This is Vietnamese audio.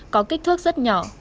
có kích thước rất nhỏ